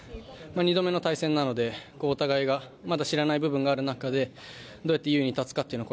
２度目の対戦なのでお互いがまだ知らない部分がある中でどうやって優位に立つかというのを